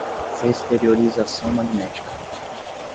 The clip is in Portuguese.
Exteriorização magnética